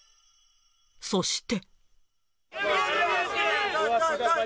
そして。